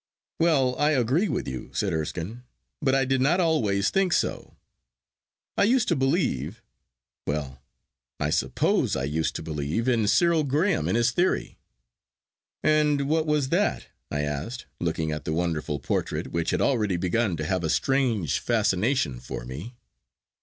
'Well, I agree with you,' said Erskine, 'but I did not always think so. I used to believe—well, I suppose I used to believe in Cyril Graham and his theory.' 'And what was that?' I asked, looking at the wonderful portrait, which had already begun to have a strange fascination for me.